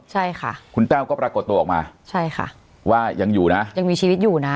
ใช่ค่ะคุณแต้วก็ปรากฏตัวออกมาใช่ค่ะว่ายังอยู่นะยังมีชีวิตอยู่นะ